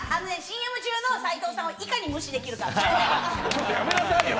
ＣＭ中の斉藤さんを、いかに無視できるか。